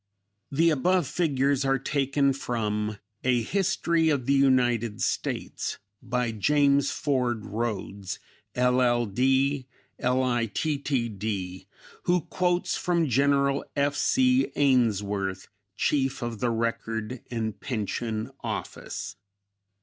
(The above figures are taken from a "History of the United States," by James Ford Rhodes, LL.D., Litt.D., who quotes from General F. C. Ainsworth, Chief of the Record and Pension Office.)